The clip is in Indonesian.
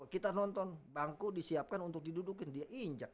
kita nonton bangku disiapkan untuk didudukin dia injak